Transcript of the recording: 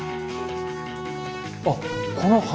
あっこの柱。